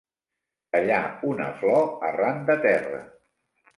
Tallar una flor arran de terra.